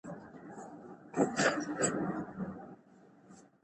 ځينې ترکيبونه له اردو ژبې څخه راغلي دي.